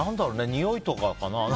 においとかかな。